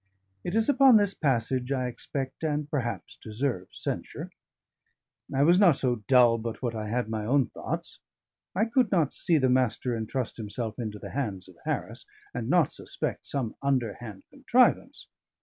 It is upon this passage I expect, and perhaps deserve, censure. I was not so dull but what I had my own thoughts. I could not see the Master entrust himself into the hands of Harris, and not suspect some underhand contrivance.